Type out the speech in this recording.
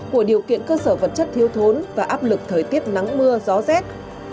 của điều kiện cơ sở vật chất thiếu thốn và áp lực thời tiết nắng mưa gió rét